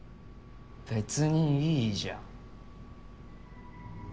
別にいいじゃん。